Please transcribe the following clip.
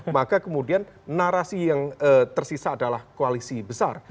maka kemudian narasi yang tersisa adalah koalisi besar